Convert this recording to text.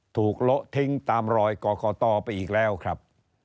โละทิ้งตามรอยกรกตไปอีกแล้วครับ